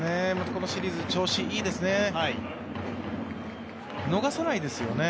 このシリーズ、調子いいですね。